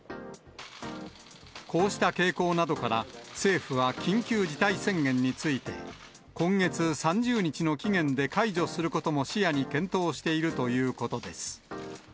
こうした傾向などから、政府は緊急事態宣言について、今月３０日の期限で解除することも視野に検討しているということです。